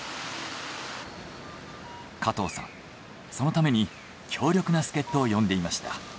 加藤さんそのために強力な助っ人を呼んでいました。